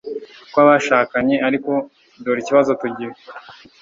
kw'abashakanye. ariko dore ikibazo tugira